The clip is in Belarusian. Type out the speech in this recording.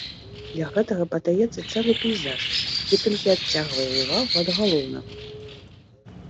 Для гэтага падаецца цэлы пейзаж, які толькі адцягвае ўвагу ад галоўнага.